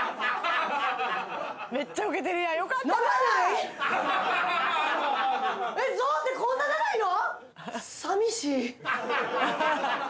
めっちゃウケてるやんよかったなえっゾーンってこんな長いの？